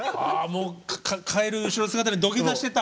帰る後ろ姿に土下座してた？